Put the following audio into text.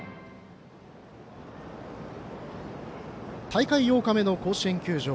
大会８日目の甲子園球場。